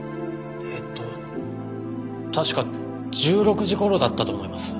えーと確か１６時頃だったと思います。